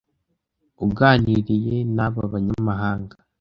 uganiriye n’aba banyamahanga